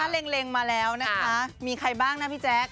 เล็งมาแล้วนะคะมีใครบ้างนะพี่แจ๊ค